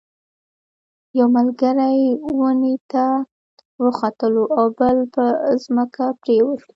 یو ملګری ونې ته وختلو او بل په ځمکه پریوت.